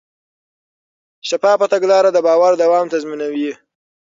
شفافه تګلاره د باور دوام تضمینوي.